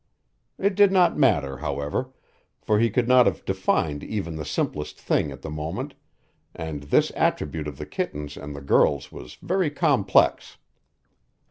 It did not matter, however, for he could not have defined even the simplest thing at the moment, and this attribute of the kitten's and the girl's was very complex.